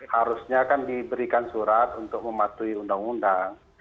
harusnya kan diberikan surat untuk mematuhi undang undang